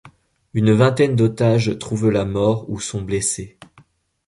Une vingtaine d'otages trouvent la mort ou sont blessés.